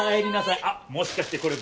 あっもしかしてこれ僕に？